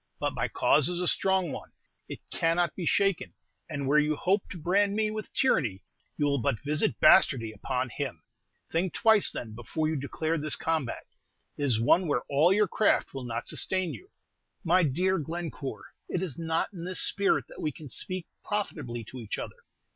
But my cause is a strong one, it cannot be shaken; and where you hope to brand me with tyranny, you will but visit bastardy upon him. Think twice, then, before you declare this combat. It is one where all your craft will not sustain you." "My dear Glencore, it is not in this spirit that we can speak profitably to each other.